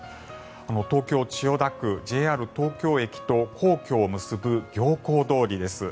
東京・千代田区ＪＲ東京駅と皇居を結ぶ行幸通りです。